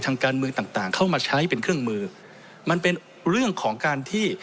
ทางการเมืองต่างต่างเข้ามาใช้เป็นเครื่องมือมันเป็นเรื่องของการที่